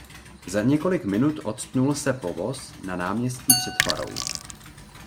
Za několik minut octnul se povoz na náměstí před farou.